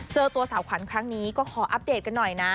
เจอตัวสาวขวัญครั้งนี้ก็ขออัปเดตกันหน่อยนะ